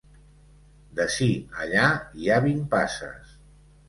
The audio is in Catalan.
D'ací allà hi ha vint passes.